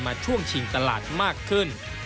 ช่วงชิงตลาดมากขึ้น